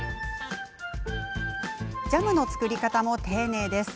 ジャムの作り方も丁寧です。